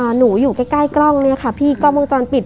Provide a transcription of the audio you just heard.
หนูอยู่ใกล้ใกล้กล้องเนี้ยค่ะพี่กล้องวงจรปิด